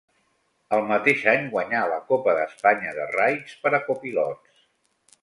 El mateix any guanyà la Copa d'Espanya de raids per a copilots.